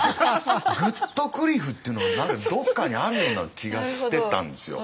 グットクリフっていうのが何かどっかにあるような気がしてたんですよ。